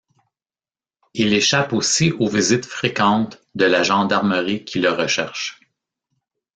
Il échappe ainsi aux visites fréquentes de la gendarmerie qui le recherche.